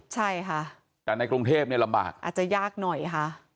ใช่ค่ะแต่ในกรุงเทพเนี่ยลำบากอาจจะยากหน่อยค่ะ